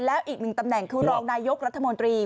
แล้วอีกหนึ่งตำแหน่งคือรองนายกรัฐมนตรี